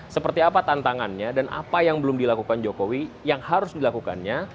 seperti apa tantangannya dan apa yang belum dilakukan jokowi yang harus dilakukannya